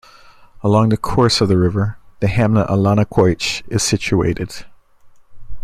Along the course of the river, the hamlet Allanaquoich is situated.